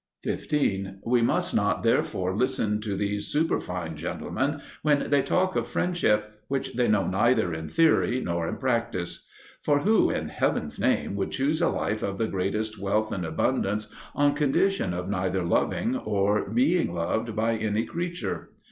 15. We must not therefore listen to these superfine gentlemen when they talk of friendship, which they know neither in theory nor in practice. For who, in heaven's name, would choose a life of the greatest wealth and abundance on condition of neither loving or being beloved by any creature?